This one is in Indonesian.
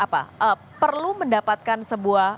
apakah ini perlu mendapatkan sebuah